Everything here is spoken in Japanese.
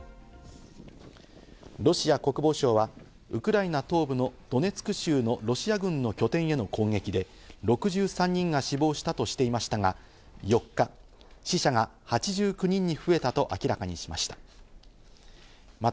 ロシア国防省は、ウクライナ東部のドネツク州のロシア軍の拠点への攻撃で、６３人が死亡したとしていましたが、４日、死者が８９人に増えたと明らかにしました。